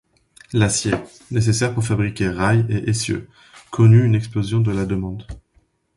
L'acier, nécessaire pour fabriquer rails et essieux, connut une explosion de la demande.